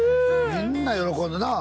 みんな喜んでな